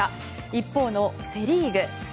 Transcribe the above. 一方のセ・リーグ。